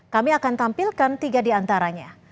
kami akan tampilkan tiga diantaranya